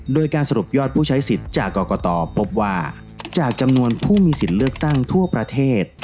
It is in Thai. โดยการสรุปยอดผู้ใช้สิทธิ์จากกรกตพบว่าจากจำนวนผู้มีสิทธิ์เลือกตั้งทั่วประเทศ